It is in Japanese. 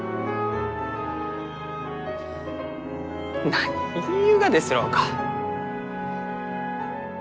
何言いゆうがですろうか。